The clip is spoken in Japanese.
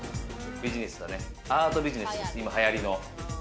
アートビジネス、今はやりの。